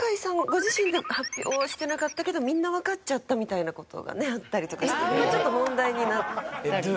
ご自身で発表はしてなかったけどみんなわかっちゃったみたいな事がねあったりとかしてちょっと問題になったり。